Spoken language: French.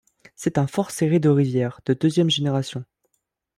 C'est un fort Séré de Rivières de deuxième génération.